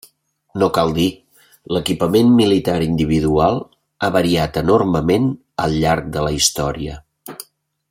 No cal dir, l'equipament militar individual ha variat enormement al llarg de la història.